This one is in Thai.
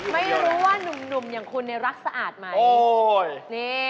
ไม่รู้ว่านุ่มอย่างคุณรักสะอาดไหม